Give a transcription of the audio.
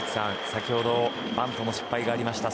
先ほどバントの失敗がありました。